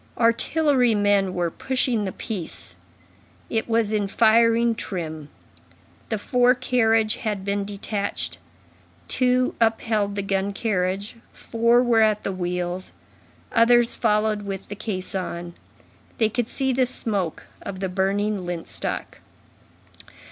Artillery men were pushing the piece; it was in firing trim; the fore carriage had been detached; two upheld the gun carriage, four were at the wheels; others followed with the caisson. They could see the smoke of the burning lint stock.